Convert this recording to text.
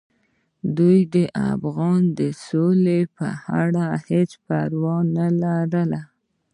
دوی د افغان د سوکالۍ په اړه هیڅ پروا نه لري.